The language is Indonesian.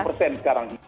enam puluh persen sekarang